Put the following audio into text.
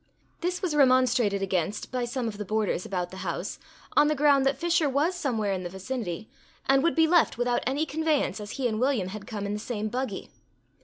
This was remonstrated against by some of the boarders about the house, on the ground that Fisher was somewhere in the vicinity, and would be left without any conveyance, as he and William had come in the same buggy.